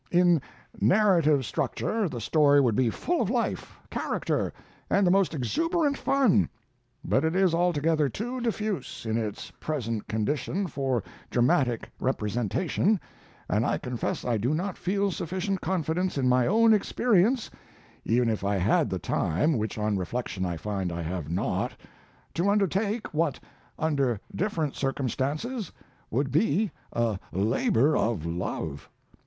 In narrative structure the story would be full of life, character, and the most exuberant fun, but it is altogether too diffuse in its present condition for dramatic representation, and I confess I do not feel sufficient confidence in my own experience (even if I had the time, which on reflection I find I have not) to undertake what, under different circumstances, would be a "labor of love."